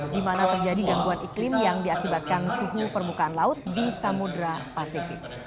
di mana terjadi gangguan iklim yang diakibatkan suhu permukaan laut di samudera pasifik